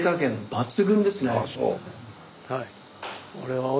はい。